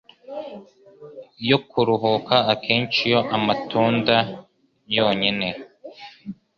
yo kuruhuka. Akenshi iyo amatunda yonyine